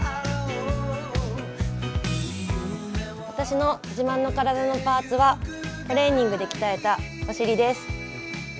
私の自慢の体のパーツはトレーニングで鍛えたお尻です。